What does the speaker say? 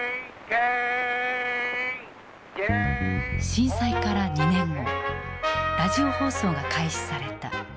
震災から２年後ラジオ放送が開始された。